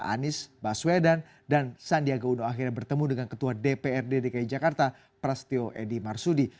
anies baswedan dan sandiaga uno akhirnya bertemu dengan ketua dprd dki jakarta prasetyo edy marsudi